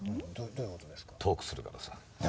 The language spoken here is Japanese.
トークするからさ。